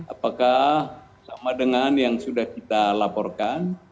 apakah sama dengan yang sudah kita laporkan